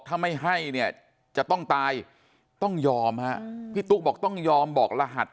ถ้าไม่ให้เนี่ยจะต้องตายต้องยอมฮะพี่ตุ๊กบอกต้องยอมบอกรหัส